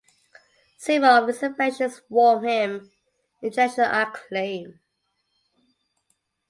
Several of his inventions wom him international acclaim.